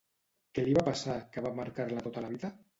Què li va passar, que va marcar-la tota la vida?